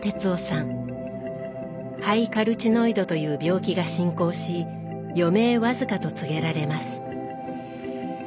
肺カルチノイドという病気が進行し余命僅かと告げられます。